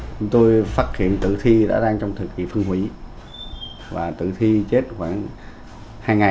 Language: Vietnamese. chúng tôi phát hiện tử thi đã đang trong thời kỳ phân hủy và tử thi chết khoảng hai ngày trên hai ngày